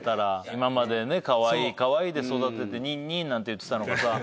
今までねカワイイカワイイで育ててニンニンなんて言ってたのがさ